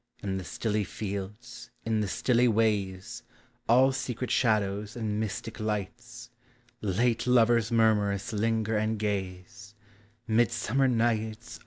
In the stilly fields, in the stilly ways, All secret shadows and mystic lights, Late lovers murmurous linger and gaze — Midsummer nights